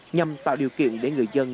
nhằm tạo điều kiện để người dân